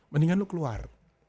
mendingan lu keluar